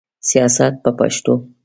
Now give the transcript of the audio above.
سیاست په پښتو.